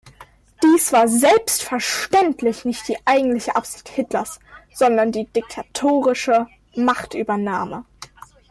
Dies war selbstverständlich nicht die eigentliche Absicht Hitlers, sondern die diktatorische Machtübernahme.